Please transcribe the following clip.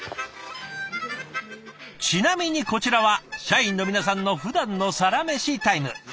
ちなみにこちらは社員の皆さんのふだんのサラメシタイム。